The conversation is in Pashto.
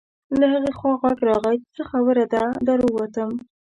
له هغې خوا غږ راغی: څه خبره ده، در ووتم.